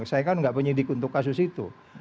saya kan nggak penyidik untuk kasus itu